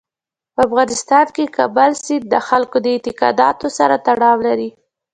په افغانستان کې کابل سیند د خلکو له اعتقاداتو سره تړاو لري.